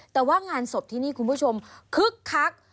แต่ว่างานศพที่นี่คุณผู้ชมคึกคัก